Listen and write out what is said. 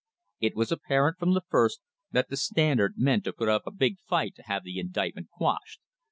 It was apparent from the first that the Standard meant to put up a big fight to have the indictment quashed.